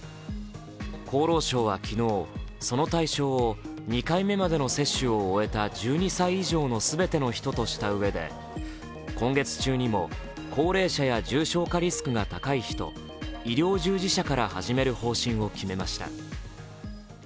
厚労省は昨日、その対象を２回目までの接種を終えた１２歳以上のすべての人としたうえで今月中にも高齢者や重症化リスクが高い人、医療従事者から始める方針を決めました。